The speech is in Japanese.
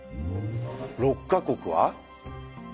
６か国は？